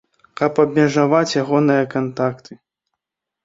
Каб абмежаваць ягоныя кантакты.